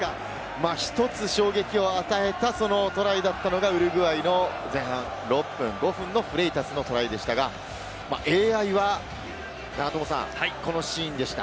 １つ衝撃を与えたトライだったのがウルグアイの前半６分、５分のフレイタスのトライでしたが、ＡＩはこのシーンでした。